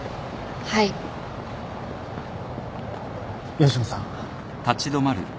吉野さん。